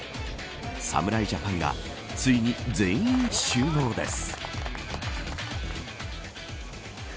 侍ジャパンがついに全員集合です。